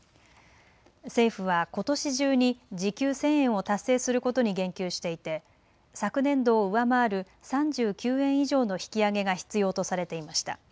政府はことし中に時給１０００円を達成することに言及していて昨年度を上回る３９円以上の引き上げが必要とされていました。